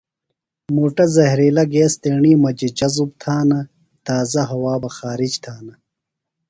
مُٹہ زہرِیلہ گیس تیݨیۡ مجیۡ جذب تھانہ۔ تازہ ہوا بہ خارِج تھانہ